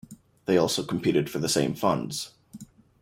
They also competed for the same funds.